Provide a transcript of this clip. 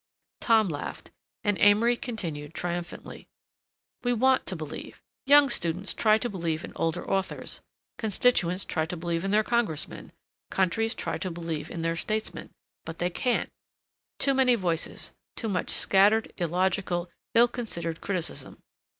Tom laughed, and Amory continued triumphantly. "We want to believe. Young students try to believe in older authors, constituents try to believe in their Congressmen, countries try to believe in their statesmen, but they can't. Too many voices, too much scattered, illogical, ill considered criticism.